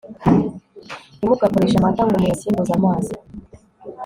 ntimugakoreshe amata ngo muyasimbuze amazi